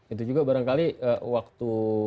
itu juga barangkali waktu